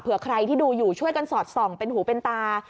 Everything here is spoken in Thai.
ใครที่ดูอยู่ช่วยกันสอดส่องเป็นหูเป็นตา